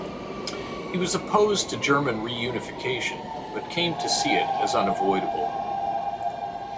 He was opposed to German reunification but came to see it as unavoidable.